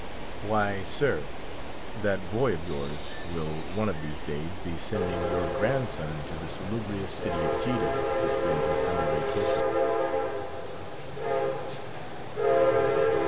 Why, sir, that boy of yours will, one of these days, be sending your grandson to the salubrious city of Jeddo to spend his summer vacations.